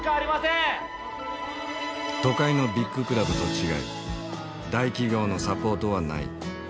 都会のビッグクラブと違い大企業のサポートはない。